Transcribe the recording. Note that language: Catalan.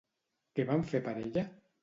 Què van fer per ella?